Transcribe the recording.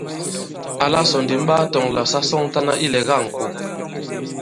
Àla sɔ̀ ndì m ɓaa tɔ̄ŋ àlà sa sɔŋtana ilɛ̀ga ìŋkò.